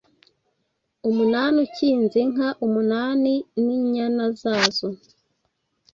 Umunani ukinze : Inka umunani n’inyana zazo